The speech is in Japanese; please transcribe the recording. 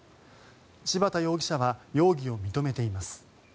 柴田容疑者は容疑を認めています。